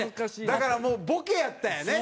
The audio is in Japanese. だからもうボケやったんやね。